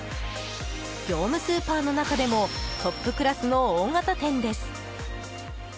業務スーパーの中でもトップクラスの大型店です。